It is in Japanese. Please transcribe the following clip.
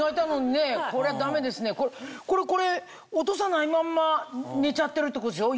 これ落とさないまんま寝ちゃってるってことでしょ？